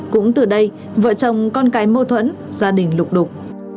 cũng từ đây vợ chồng con cái mâu thuẫn gia đình lục đục